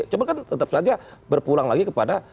cuma kan tetap saja berpulang lagi kepada